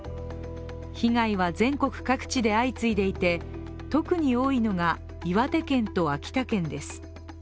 被害は全国各地で相次いでいて特に多いのが岩手県と秋田県です。